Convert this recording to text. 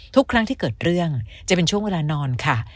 ทุกครั้งที่เกิดเรื่องจะเป็นช่วงเวลานอนค่ะ